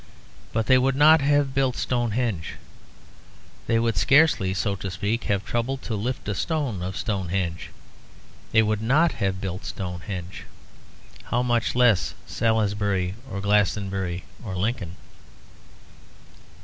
But they would not have built Stonehenge; they would scarcely, so to speak, have troubled to lift a stone of Stonehenge. They would not have built Stonehenge; how much less Salisbury or Glastonbury or Lincoln.